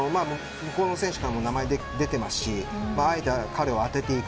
向こうの選手から久保選手の名前が出てますしあえて彼を当てていく。